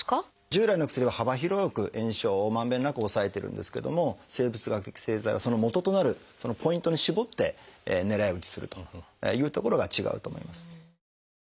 従来の薬は幅広く炎症をまんべんなく抑えてるんですけども生物学的製剤はそのもととなるポイントに絞って狙い撃ちするというところが違うと思います。